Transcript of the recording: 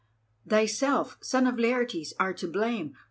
Thyself, son of Laertes, art to blame.